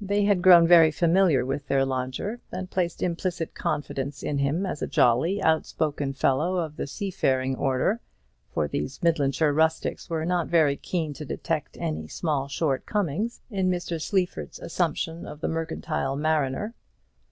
They had grown very familiar with their lodger, and placed implicit confidence in him as a jolly outspoken fellow of the seafaring order; for these Midlandshire rustics were not very keen to detect any small shortcomings in Mr. Sleaford's assumption of the mercantile mariner.